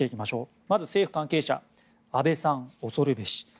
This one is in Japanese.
まず政府関係者安倍さん恐るべし。